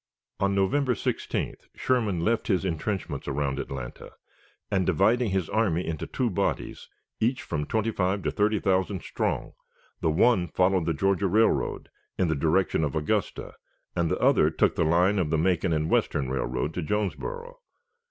On November 16th Sherman left his intrenchments around Atlanta, and, dividing his army into two bodies, each from twenty five to thirty thousand strong, the one followed the Georgia Railroad in the direction of Augusta, and the other took the line of the Macon and Western Railroad to Jonesboro.